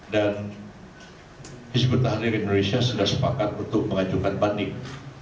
dan hisbut tahrir indonesia sudah sepakat untuk mengajukan banding